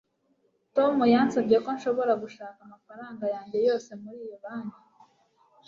tom yansabye ko nshobora gushaka amafaranga yanjye yose muri iyo banki